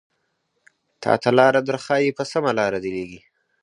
تاته لاره درښايې په سمه لاره دې ليږي